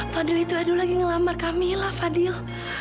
fadil itu aduh lagi ngelamar kami lah fadil